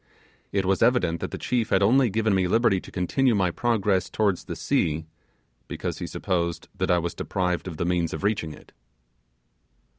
It was evident that the chief had only given me liberty to continue my progress towards the sea, because he supposed that I was deprived of the means of reaching it.